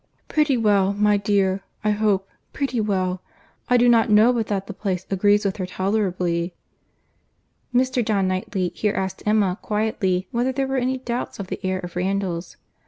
"Pretty well, my dear—I hope—pretty well.—I do not know but that the place agrees with her tolerably." Mr. John Knightley here asked Emma quietly whether there were any doubts of the air of Randalls.